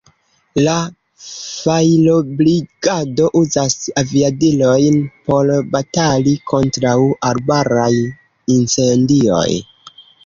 La fajrobrigado uzas aviadilojn por batali kontraŭ arbaraj incendioj.